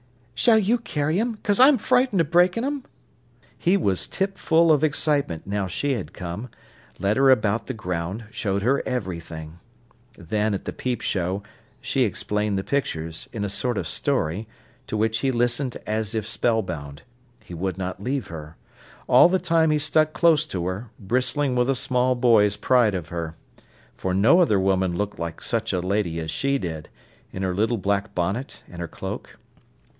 "Shall you carry 'em, 'cause I'm frightened o' breakin' 'em?" He was tipful of excitement now she had come, led her about the ground, showed her everything. Then, at the peep show, she explained the pictures, in a sort of story, to which he listened as if spellbound. He would not leave her. All the time he stuck close to her, bristling with a small boy's pride of her. For no other woman looked such a lady as she did, in her little black bonnet and her cloak.